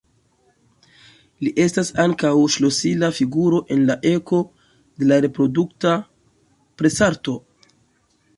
Li estas ankaŭ ŝlosila figuro en la eko de la reprodukta presarto.